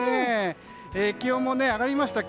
気温も上がりました。